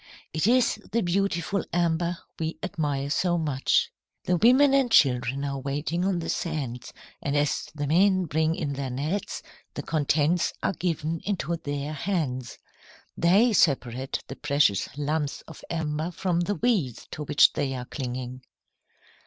It is the beautiful amber we admire so much. "The women and children are waiting on the sands, and as the men bring in their nets, the contents are given into their hands. They separate the precious lumps of amber from the weeds to which they are clinging."